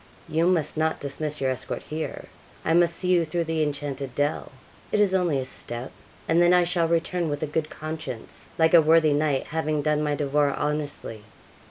'You must not dismiss your escort here. I must see you through the enchanted dell it is only a step and then I shall return with a good conscience, like a worthy knight, having done my devoir honestly.'